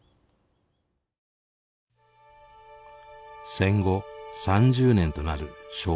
戦後３０年となる昭和５０年。